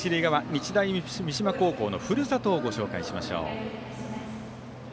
日大三島高校のふるさとをご紹介しましょう。